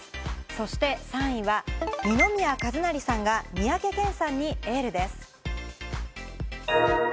そして３位は、二宮和也さんが三宅健さんにエールです。